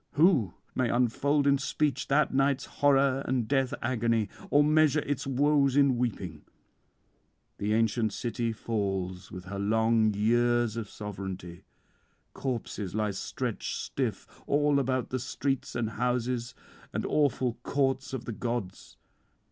Who may unfold in speech that night's horror and death agony, or measure its woes in weeping? The [363 397]ancient city falls with her long years of sovereignty; corpses lie stretched stiff all about the streets and houses and awful courts of the gods.